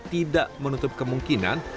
tidak menutup kemungkinan